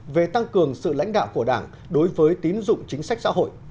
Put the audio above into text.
về tăng cường sự lãnh đạo của đảng đối với tín dụng chính sách xã hội